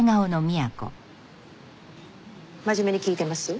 真面目に聞いてます？